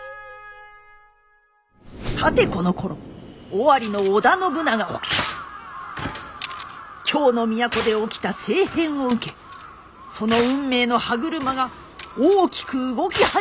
さてこのころ尾張の織田信長は京の都で起きた政変を受けその運命の歯車が大きく動き始めようとしておりました。